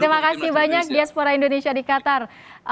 terima kasih banyak diaspora indonesia di qatar